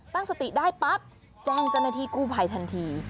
ตั้งสติได้ปั๊บแจ้งเจ้าหน้าที่กู้ภัยทันที